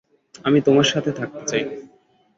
আমি তোমার সাথে থাকতে চাই।